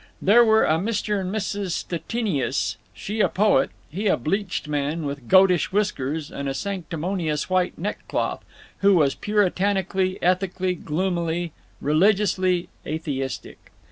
There were a Mr. and Mrs. Stettinius—she a poet; he a bleached man, with goatish whiskers and a sanctimonious white neck cloth, who was Puritanically, ethically, gloomily, religiously atheistic.